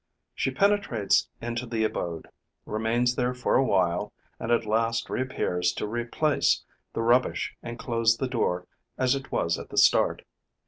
She penetrates into the abode, remains there for a while and at last reappears to replace the rubbish and close the door as it was at the start.